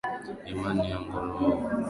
Imani yangu roho wa Mungu